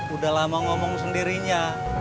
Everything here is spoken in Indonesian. udah lama ngomong sendirinya